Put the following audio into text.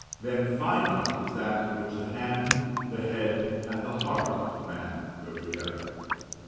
Then FINE ART is that in which the hand, the head, and the heart of man go together.